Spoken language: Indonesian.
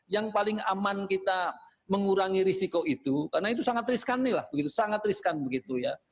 yang paling aman kita mengurangi risiko itu karena itu sangat riskan nih lah begitu sangat riskan begitu ya